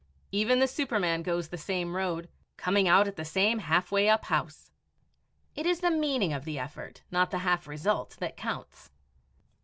Even the superman goes the same road, coming out at the same halfway up house! It is the meaning of the effort, not the half result, that counts.